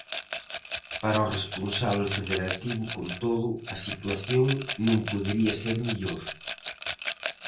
Para o responsábel federativo, con todo, "a situación non podería ser mellor".